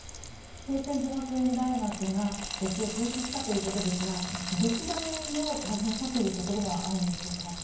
恵泉女学園大学が募集を停止したということですが女子大の大変さというところはあるんでしょうか？